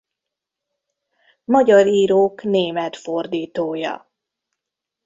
Magyar írók német fordítója.